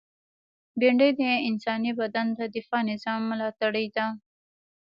بېنډۍ د انساني بدن د دفاعي نظام ملاتړې ده